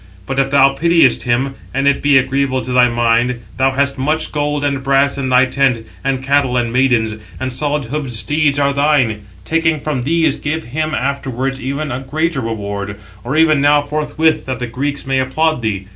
But if thou pitiest him, and it be agreeable to thy mind, thou hast much gold and brass in thy tent, and cattle and maidens, and solid hoofed steeds are thine. Taking from these, give him afterwards even a greater reward, or even now forthwith, that the Greeks may applaud thee.